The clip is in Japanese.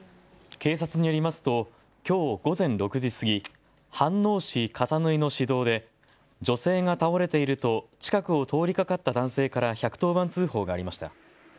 警察によりますときょう午前６時過ぎ、飯能市笠縫の市道で女性が倒れていると近くを通りかかった男性から１１０番通報がありました。